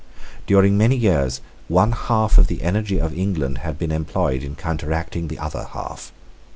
During many years one half of the energy of England had been employed in counteracting the other half.